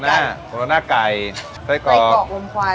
ะนี้เป็นโบโรนาไก่ใส่กลอดใส่กลอกลมควัน